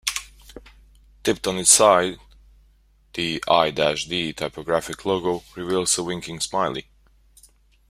Tipped on its side, the "i-D" typographic logo reveals a winking smiley.